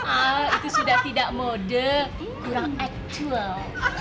ah itu sudah tidak mode kurang actual